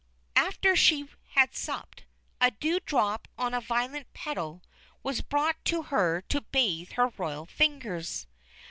After she had supped, a dew drop on a violet petal was brought her to bathe her royal fingers.